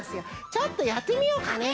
ちょっとやってみようかね？